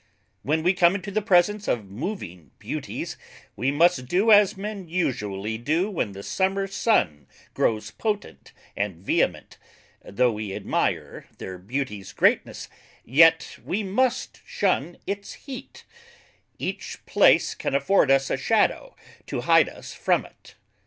When we come into the presence of moving Beauties, we must do as men usually do when the Summer Sun grows potent and vehement; though we admire their Beauties greatness, yet we must shun it's heat; each place can afford us a shadow to hide us from it.